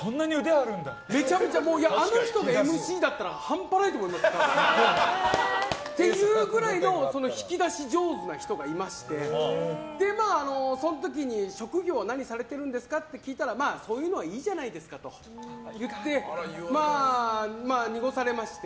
あの人がＭＣだったら半端ないと思います、多分。っていうくらいの引き出し上手な人がいましてその時に職業は何されてるんですかって聞いたらそういうのはいいじゃないですかと言って濁されまして。